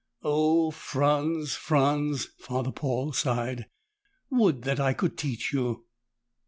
"Oh, Franz, Franz," Father Paul sighed. "Would that I could teach you!"